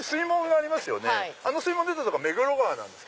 あの水門出たとこが目黒川です。